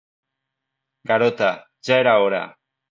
Garota, ja era hora!